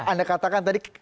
anda katakan tadi